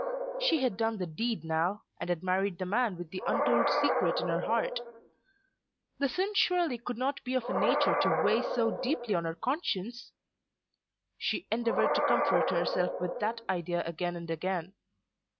She had done the deed now, and had married the man with the untold secret in her heart. The sin surely could not be of a nature to weigh so deeply on her conscience! She endeavoured to comfort herself with that idea again and again.